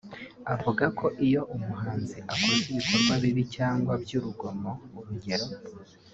avuga ko “Iyo umuhanzi akoze ibikorwa bibi cyangwa by’urwango (urugero